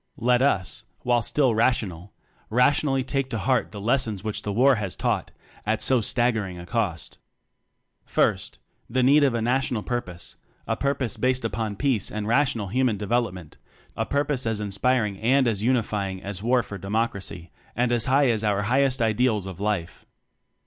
Let us while still rational, rationally take to heart the lessons which the War has taught at so staggering a cost: First: The need of a National Purpose; a purpose based upon peace and rational Human Development; a purpose as inspiring and as unify ing as War for Democracy, and as high as our highest Ideals of Life.